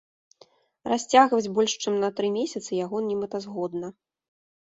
Расцягваць больш чым на тры месяцы яго немэтазгодна.